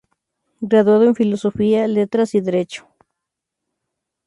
Graduado en Filosofía, Letras y Derecho.